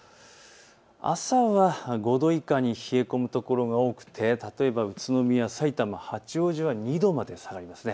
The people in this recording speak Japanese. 朝は５度以下に冷え込む所が多くて、例えば宇都宮、さいたま、八王子は２度まで下がります。